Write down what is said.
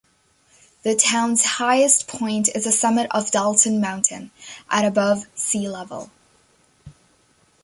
The town's highest point is the summit of Dalton Mountain, at above sea level.